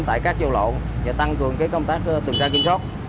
tại các châu lộ và tăng cường công tác tường trang kiểm soát